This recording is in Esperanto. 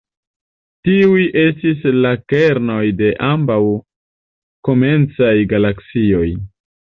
Tiuj estis la kernoj de ambaŭ komencaj galaksioj.